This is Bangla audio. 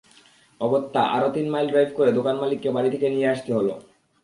অগত্যা আরও তিন মাইল ড্রাইভ করে দোকানমালিককে বাড়ি থেকে নিয়ে আসতে হলো।